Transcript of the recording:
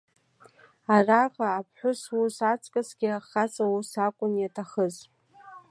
Араҟа аԥҳәыс ус аҵкысгьы ахаҵа ус акәын иаҭахыз.